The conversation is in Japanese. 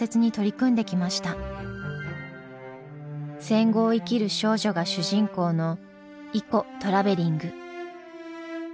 戦後を生きる少女が主人公の「イコトラベリング」。